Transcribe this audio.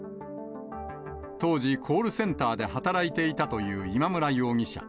当時、コールセンターで働いていたという今村容疑者。